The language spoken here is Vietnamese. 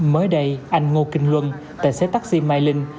mới đây anh ngô kinh luân tài xế taxi mai linh